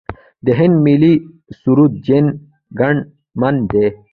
د هند ملي سرود جن ګن من دی.